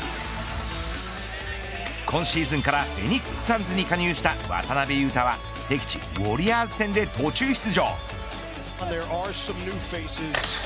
今シーズンからフェニックス・サンズに加入した渡邊雄太は敵地、ウォリアーズ戦で途中出場。